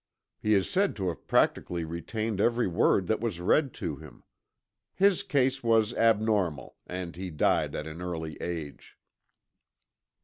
He is said to have practically retained every word that was read to him. His case was abnormal, and he died at an early age.